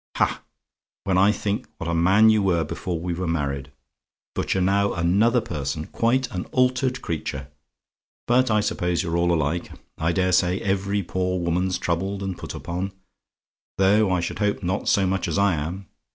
"Ha! when I think what a man you were before we were married! But you're now another person quite an altered creature. But I suppose you're all alike I dare say, every poor woman's troubled and put upon, though I should hope not so much as I am.